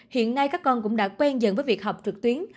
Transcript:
hiện nay các con cũng đã quen dần với việc học trực tuyến